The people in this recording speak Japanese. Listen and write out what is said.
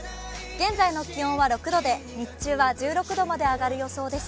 現在の気温は６度で、日中は１６度まで上がる予想です。